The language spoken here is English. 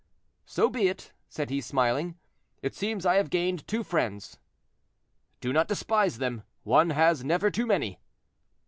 "So be it," said he, smiling; "it seems I have gained two friends." "Do not despise them; one has never too many."